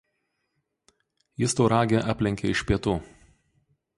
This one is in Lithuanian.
Jis Tauragę aplenkė iš pietų.